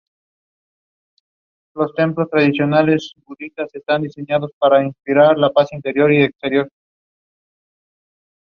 Mucho de los elementos originales permanecieron intactos, aunque el interior fue modificado.